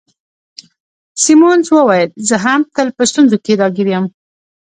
سیمونز وویل: زه هم تل په ستونزو کي راګیر یم.